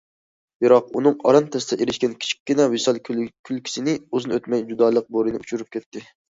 بىراق، ئۇنىڭ ئاران تەستە ئېرىشكەن كىچىككىنە ۋىسال كۈلكىسىنى ئۇزۇن ئۆتمەي جۇدالىق بورىنى ئۇچۇرۇپ كەتتى.